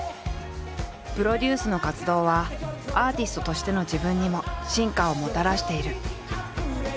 プロデュースの活動はアーティストとしての自分にも進化をもたらしている。